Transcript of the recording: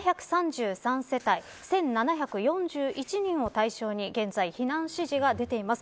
７３３世帯１７４１人を対象に現在、避難指示が出ています。